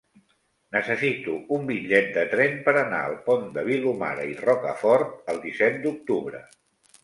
Necessito un bitllet de tren per anar al Pont de Vilomara i Rocafort el disset d'octubre.